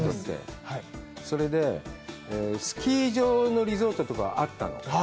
それでスキー場のリゾートとかはあったの。